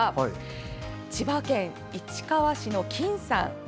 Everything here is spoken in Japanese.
千葉県市川市のｋｉｎさん。